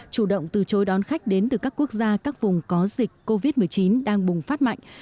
chủ động từ chối đón khách đến từ các quốc gia các vùng có dịch covid một mươi chín đang bùng phát mạnh